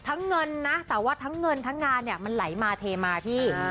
เงินนะแต่ว่าทั้งเงินทั้งงานเนี่ยมันไหลมาเทมาพี่